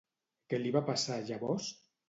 Què li va passar llavors?